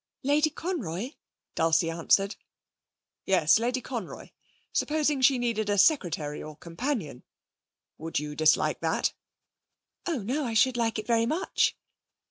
'Lady Conroy,' Dulcie answered. 'Yes, Lady Conroy. Supposing that she needed a secretary or companion, would you dislike that?' 'Oh, no, I should like it very much.'